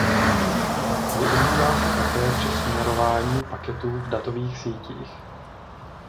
Využívá se také při směrování paketů v datových sítích.